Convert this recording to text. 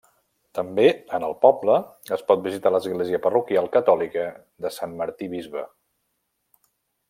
També, en el poble, es pot visitar l'Església parroquial catòlica de Sant Martí Bisbe.